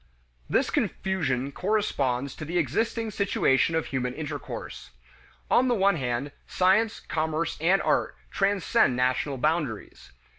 This confusion corresponds to the existing situation of human intercourse. On the one hand, science, commerce, and art transcend national boundaries.